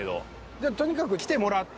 じゃとにかく来てもらって。